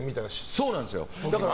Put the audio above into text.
そうなんですよ。